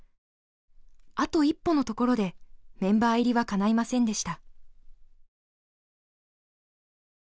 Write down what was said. あと一歩のところでメンバー入りはかないませんでした。